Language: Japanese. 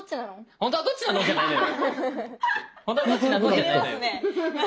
「本当はどっちなの？」じゃないのよ。